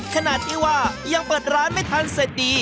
ขนาดที่ว่ายังเปิดร้านไม่ทันเสร็จดี